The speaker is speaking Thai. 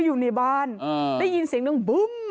อยู่ในบ้านได้ยินเสียงหนึ่งบึ้ม